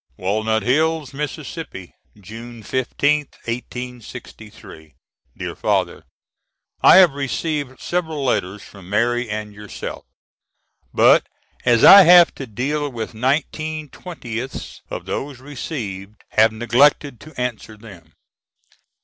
] Walnut Hills, Miss., June 15th, 1863. DEAR FATHER: I have received several letters from Mary and yourself, but as I have to deal with nineteen twentieths of those received, have neglected to answer them.